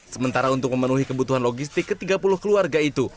sementara untuk memenuhi kebutuhan logistik ke tiga puluh keluarga itu